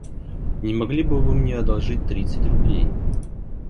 Не могли ли бы вы мне одолжить тридцать рублей?